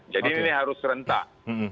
jadi ini harus rentak